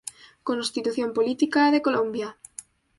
Constitución Política de Colombia.